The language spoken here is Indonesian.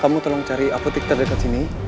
kamu tolong cari apotek terdekat sini